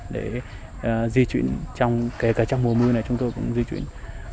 để di chuyển kể cả trong mùa mưa này chúng tôi cũng di chuyển